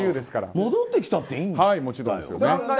戻ってきたっていいんだよね。